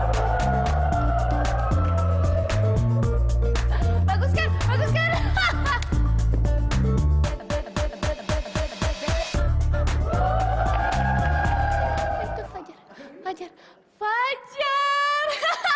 hei tuh fajar fajar fajar